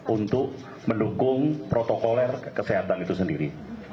untuk mendukung protokoler kesehatan itu sendiri